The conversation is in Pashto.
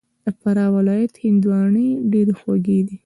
د فراه ولایت هندواڼې ډېري خوږي دي